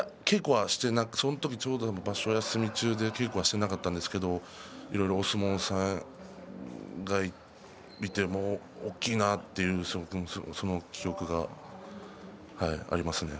その時ちょうど場所がお休みで稽古していなかったんですけれどいろいろお相撲さんがいて大きいなというその記憶がありますね。